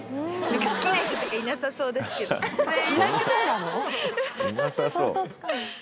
好きな人とかいなさそうですけどね